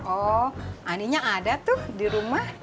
oh aninya ada tuh di rumah